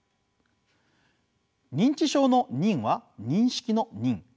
認知症の認は認識の認。